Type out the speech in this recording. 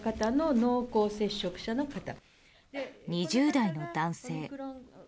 ２０代の男性。